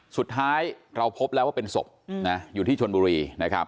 สุดท้ายเราพบแล้วว่าเป็นศพอยู่ที่ชนบุรีนะครับ